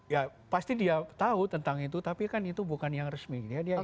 ya pasti dia tahu tentang itu tapi kan itu bukan yang resmi